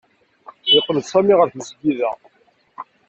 Yeqqel-d Sami ɣer tmesgida.